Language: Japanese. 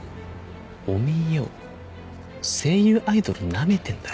おめえよ声優アイドルなめてんだろ。